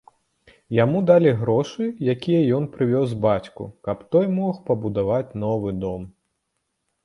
Яму далі грошы, якія ён прывёз бацьку, каб той мог пабудаваць новы дом.